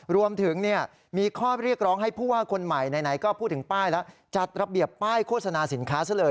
รวมถึงมีข้อเรียกร้องให้ผู้ว่าคนใหม่ไหนก็พูดถึงป้ายแล้วจัดระเบียบป้ายโฆษณาสินค้าซะเลย